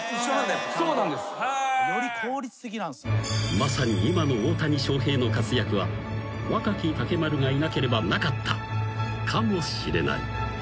［まさに今の大谷翔平の活躍は若木竹丸がいなければなかったかもしれない］